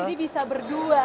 jadi bisa berdua